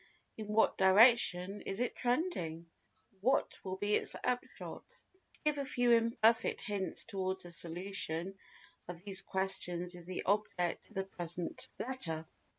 In what direction is it tending? What will be its upshot? To give a few imperfect hints towards a solution of these questions is the object of the present letter.